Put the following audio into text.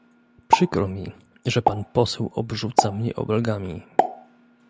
Przykro mi, że pan poseł obrzuca mnie obelgami